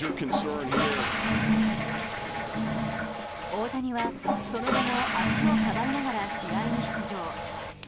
大谷はその後も足をかばいながら試合に出場。